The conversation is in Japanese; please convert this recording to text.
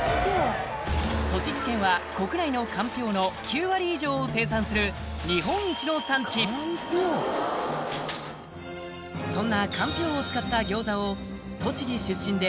栃木県は国内のかんぴょうの９割以上を生産するそんなかんぴょうを使った餃子を栃木出身で